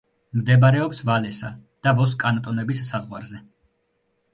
მდებარეობს ვალესა და ვოს კანტონების საზღვარზე.